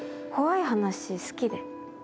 怖い話好きで。